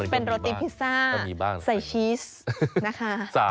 เป็นโรตีพิซซ่าใส่ชีสนะคะ